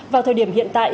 vào thời điểm hiện tại